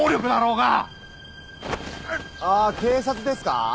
あ警察ですか？